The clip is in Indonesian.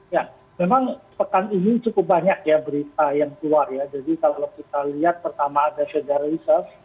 ya memang pekan ini cukup banyak ya berita yang keluar ya